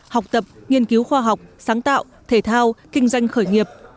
học tập nghiên cứu khoa học sáng tạo thể thao kinh doanh khởi nghiệp